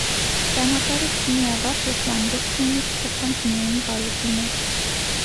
Ճանապարհը չունի ավարտ և պանդուխտն ունի սփոփանք միայն կարոտի մեջ։